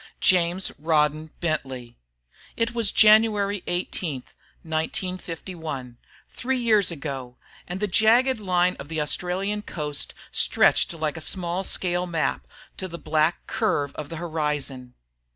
James Rawdon Bentley.... It was January 18, 1951, three years ago, and the jagged line of the Australian coast stretched like a small scale map to the black curve of the horizon.